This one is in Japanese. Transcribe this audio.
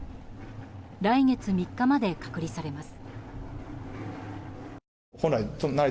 来月３日まで隔離されます。